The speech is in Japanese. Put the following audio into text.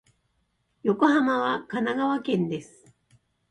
横浜は神奈川県です。